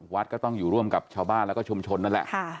วัดก็ต้องอยู่ร่วมกับชาวบ้านแล้วก็ชุมชนนั่นแหละ